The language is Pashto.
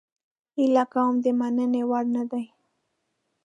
هیله کوم د مننې وړ نه ده